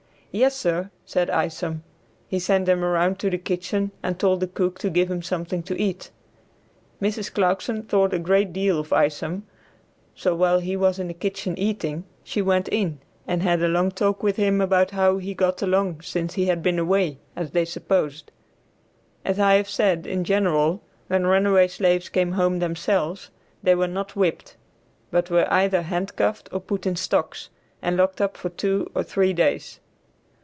"Yes, sir," said Isom. He sent him around to the kitchen and told the cook to give him something to eat. Mrs. Clarkson thought a great deal of Isom, so while he was in the kitchen eating, she went in and had a long talk with him about how he got along since he had been away, as they supposed. As I have said, in general, when runaway slaves came home themselves, they were not whipped, but were either handcuffed or put in stocks, and locked up for two or three days.